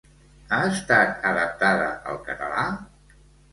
Ha estat adaptada al català?